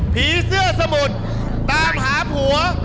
ผีเสื้อสมุทรตามหาผัว